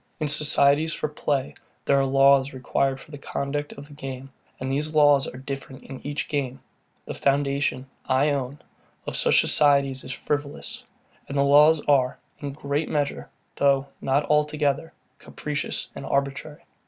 In societies for play, there are laws required for the conduct of the game; and these laws are different in each game. The foundation, I own, of such societies is frivolous; and the laws are, in a great measure, though not altogether, capricious and arbitrary.